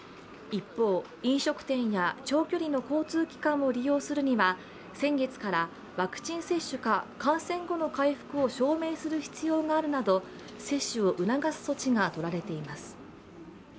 一方、飲食店や長距離の交通機関を利用するには先月から、ワクチン接種か感染後の回復を証明する必要があるなど接種を促す措置が取られています。